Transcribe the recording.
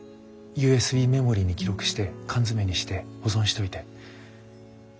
ＵＳＢメモリに記録して缶詰にして保存しといて。